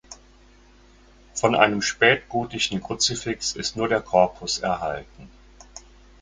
Von einem spätgotischen Kruzifix ist nur der Korpus erhalten.